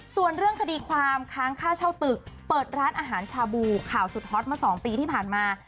ส่วนเรื่องคดีความค้างค่าเช่าตึกเปิดร้านอาหารชาบูข่าวสุดฮอตมา๒ปีที่ผ่านมา